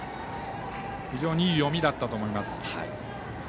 非常にいい読みだったと思います。